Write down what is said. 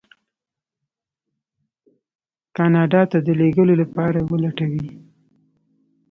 کاناډا ته د لېږلو لپاره ولټوي.